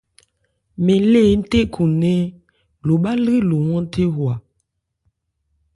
Mɛn lê ńthékhunɛ́n lo bhá lri lo hwánthe hwa.